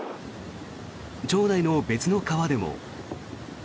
町内の別の川でも。